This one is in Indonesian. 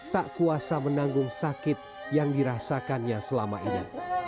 tak kuasa menanggung sakit yang dirasakannya selama ini